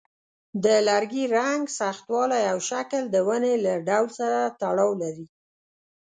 د لرګي رنګ، سختوالی، او شکل د ونې له ډول سره تړاو لري.